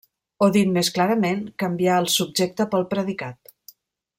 O dit més clarament canviar el subjecte pel predicat.